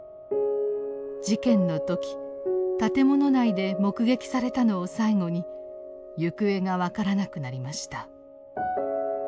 事件の時建物内で目撃されたのを最後に行方が分からなくなりました。